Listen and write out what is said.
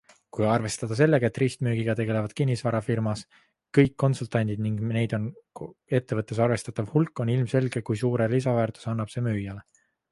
Kui arvestada sellega, et ristmüügiga tegelevad kinnisvara firmas kõik konsultandid ning neid on ettevõttes arvestatav hulk, on ilmselge kui suure lisaväärtuse annab see müüjale.